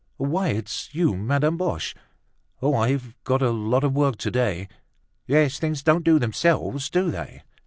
"Why! It's you, Madame Boche! Oh! I've got a lot of work to day!" "Yes, things don't do themselves, do they?"